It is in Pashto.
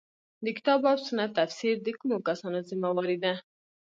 د کتاب او سنت تفسیر د کومو کسانو ذمه واري ده.